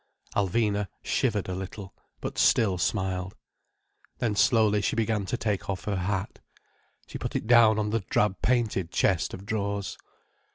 Alvina shivered a little, but still smiled. Then slowly she began to take off her hat. She put it down on the drab painted chest of drawers.